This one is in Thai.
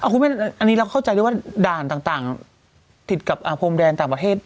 คุณแม่อันนี้เราเข้าใจด้วยว่าด่านต่างติดกับพรมแดนต่างประเทศ